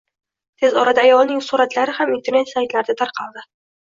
Tez orada ayolning suratlari ham internet saytlarida tarqaldi